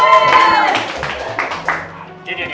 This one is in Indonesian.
penang mope dekho